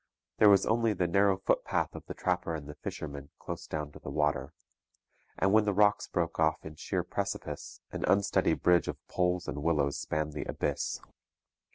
There was only the narrow footpath of the trapper and the fisherman close down to the water; and when the rocks broke off in sheer precipice, an unsteady bridge of poles and willows spanned the abyss.